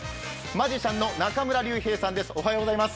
マジシャンの中村龍平さんです。